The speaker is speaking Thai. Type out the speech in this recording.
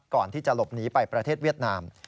ก่อนที่จะหลบหนีไปประเทศเวียดนาม